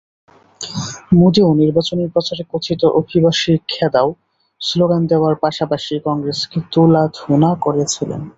মোদিও নির্বাচনী প্রচারে কথিত অভিবাসী খেদাও স্লোগান দেওয়ার পাশাপাশি কংগ্রেসকে তুলাধোনা করেছিলেন।